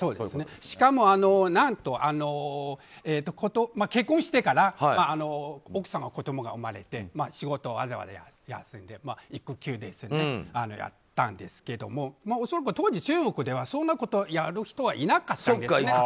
しかも、何と結婚してから奥さんに子供が生まれて仕事をわざわざ休んで育休をやったんですけど恐らく当時、中国ではそんなことをやる人はいなかったんですね。